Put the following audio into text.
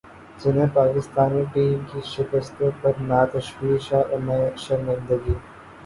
جنہیں پاکستانی ٹیم کی شکستوں پر نہ تشویش ہے اور نہ شرمندگی